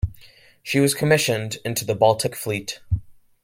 She was commissioned into the Baltic Fleet.